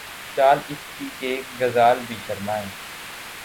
چال اس کی کہ، غزال بھی شرمائیں